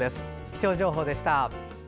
気象情報でした。